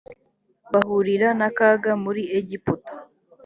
bahurira n akaga muri egiputa